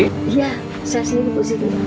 iya saya sendiri ibu siti